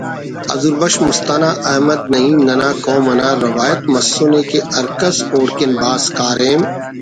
حضور بخش مستانہ احمد نعیم ننا قوم انا روایت مسنے کہ ہرکس اوڑکن بھاز کاریم